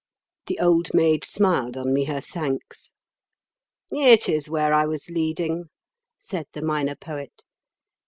The Old Maid smiled on me her thanks. "It is where I was leading," said the Minor Poet.